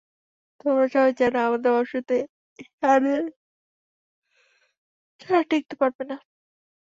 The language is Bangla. তোমরা সবাই জানো, আমাদের বসতি ষাঁড়দের ছাড়া টিকতে পারবে না।